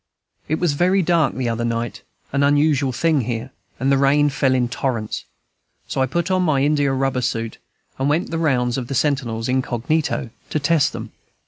It was very dark the other night, an unusual thing here, and the rain fell in torrents; so I put on my India rubber suit, and went the rounds of the sentinels, incognito, to test them.